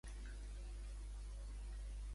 Qui va ser Daniel de Barcelona?